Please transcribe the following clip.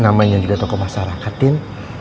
namanya juga tokoh masyarakat tin